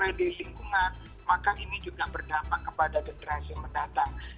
kalau tidak disingkungan maka ini juga berdampak kepada depresi yang mendatang